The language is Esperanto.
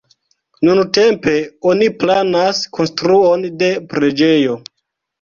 Nuntempe oni planas konstruon de preĝejo.